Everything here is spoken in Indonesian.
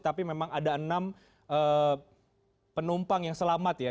tapi memang ada enam penumpang yang selamat ya